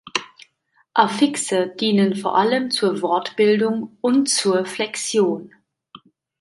Affixe dienen vor allem zur Wortbildung und zur Flexion.